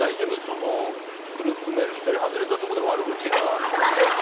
そのグループメール１人外れたところで悪口が。